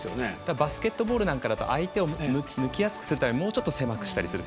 バスケットボールなんかは相手を抜きやすくするためにもうちょっと狭くしたりする